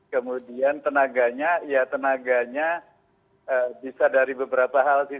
kemudian tenaganya ya tenaganya bisa dari beberapa hal sih